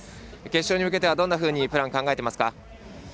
決勝に向けてはどんなふうにプラン考えてますか。